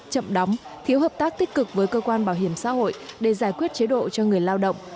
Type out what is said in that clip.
chậm đóng thiếu hợp tác tích cực với cơ quan bảo hiểm xã hội để giải quyết chế độ cho người lao động